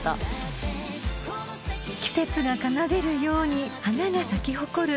［季節が奏でるように花が咲き誇る］